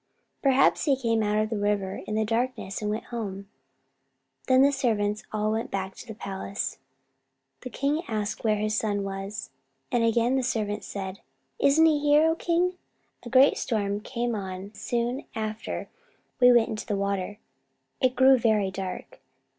"Perhaps he came out of the river in the darkness and went home." Then the servants all went back to the palace. The king asked where his son was, and again the servants said: "Isn't he here, O King? A great storm came on soon after we went into the water. It grew very dark.